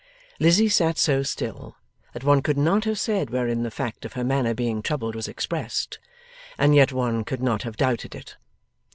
Lizzie sat so still, that one could not have said wherein the fact of her manner being troubled was expressed; and yet one could not have doubted it.